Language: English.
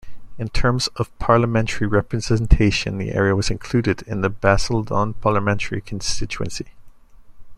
In terms of parliamentary representation, the area was included in the Basildon parliamentary constituency.